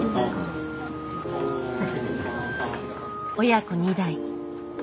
親子２代。